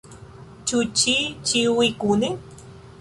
Ĉu ĉi ĉiuj kune?